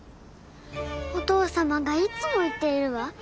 お父様がいつも言っているわ。